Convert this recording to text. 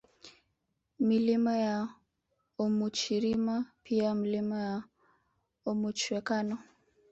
Milima ya Omuchirima pia Milima ya Omuchwekano